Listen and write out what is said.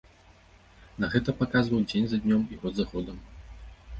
На гэта паказваў дзень за днём і год за годам.